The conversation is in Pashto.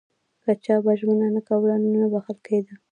که چا به ژمنه نه کوله نو نه بخښل کېده.